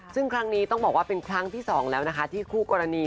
ซึ่งครั้งนี้ต้องบอกว่าเป็นครั้งที่สองแล้วนะคะที่คู่กรณี